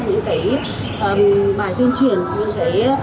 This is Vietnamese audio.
phòng cảnh sát phòng trái trị cháy